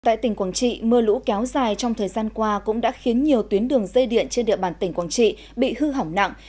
tại tỉnh quảng trị mưa lũ kéo dài trong thời gian qua cũng đã khiến nhiều tuyến đường dây điện trên địa bàn tỉnh quảng trị bị hư hỏng nặng